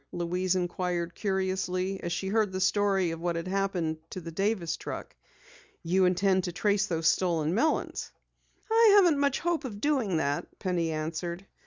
Louise inquired curiously, as she heard the story of what had happened to the Davis truck. "You intend to trace those stolen melons?" "I haven't much hope of doing that," Penny answered.